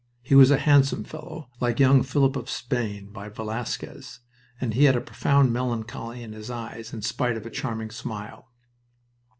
He was a handsome fellow, like young Philip of Spain by Velasquez, and he had a profound melancholy in his eyes in spite of a charming smile.